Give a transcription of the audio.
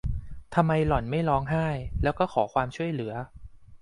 ทำไมหล่อนไม่ร้องไห้แล้วก็ขอความช่วยเหลือ ?